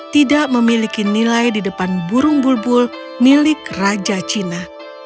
tidak memiliki nilai di depan burung bulbul milik raja china